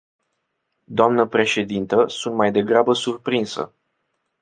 Dnă președintă, sunt mai degrabă surprinsă.